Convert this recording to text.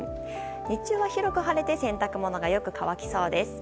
日中は広く晴れて洗濯物がよく乾きそうです。